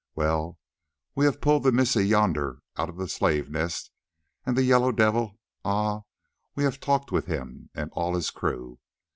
Well, we have pulled the Missie yonder out of the Slave Nest, and the Yellow Devil—ah! we have talked with him and all his crew.